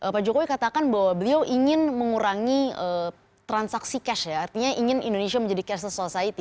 pak jokowi katakan bahwa beliau ingin mengurangi transaksi cash ya artinya ingin indonesia menjadi cashles society